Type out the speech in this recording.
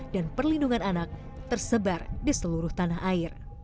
dan perlindungan anak tersebar di seluruh tanah air